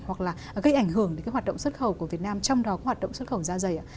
hoặc là gây ảnh hưởng đến cái hoạt động xuất khẩu của việt nam trong đó hoạt động xuất khẩu da dày ạ